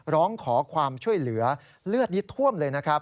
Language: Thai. ร้องขอความช่วยเหลือเลือดนี้ท่วมเลยนะครับ